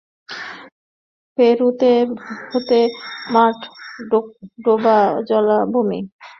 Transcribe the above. পেরুতে হবে মাঠ, ডোবা, জলাভূমি।